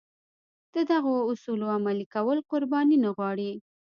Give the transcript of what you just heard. د دغو اصولو عملي کول قرباني نه غواړي.